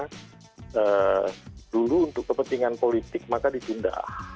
karena dulu untuk kepentingan politik maka ditunda